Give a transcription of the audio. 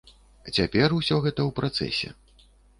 Цяпер усё гэта ў працэсе.